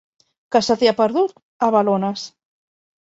Què se t'hi ha perdut, a Balones?